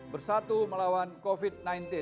bersatu melawan covid sembilan belas